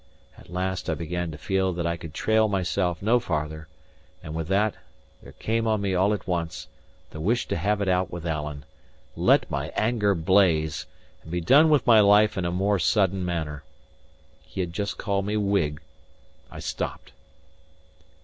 At last I began to feel that I could trail myself no farther: and with that, there came on me all at once the wish to have it out with Alan, let my anger blaze, and be done with my life in a more sudden manner. He had just called me "Whig." I stopped.